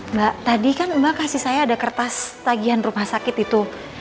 mbak tadi kan mbak kasih saya ada kertas tagihan rumah sakit itu